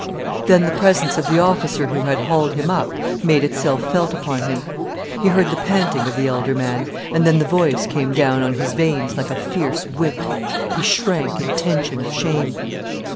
Then the presence of the officer who had hauled him up made itself felt upon him. He heard the panting of the elder man, and then the voice came down on his veins like a fierce whip. He shrank in tension of shame.